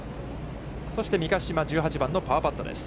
そして三ヶ島、１８番のパーパットです。